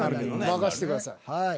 任せてください。